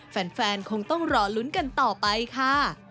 แฟนคงต้องรอลุ้นกันต่อไปค่ะ